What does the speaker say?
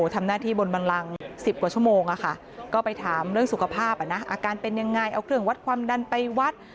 ทำหน้าที่บนบันลัง๑๐กว่าชั่วโมงก็ไปถามเรื่องสุขภาพอาการเป็นยังไงเอาเครื่องวัดความดันไปวัด